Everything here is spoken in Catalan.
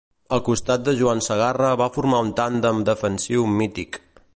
Al costat de Joan Segarra va formar un tàndem defensiu mític.